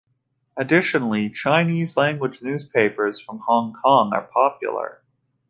Additionally, Chinese-language newspapers from Hong Kong are popular.